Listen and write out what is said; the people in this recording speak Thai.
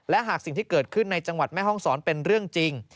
และหากสิ่งที่เกิดขึ้นในจังหวัดแม่ห้องศรเป็นเรื่องจริง